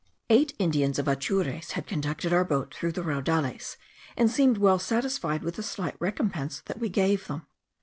Eight Indians of Atures had conducted our boat through the raudales, and seemed well satisfied with the slight recompence we gave them.